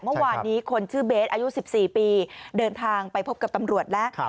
เมื่อวานนี้คนชื่อเบสอายุ๑๔ปีเดินทางไปพบกับตำรวจแล้ว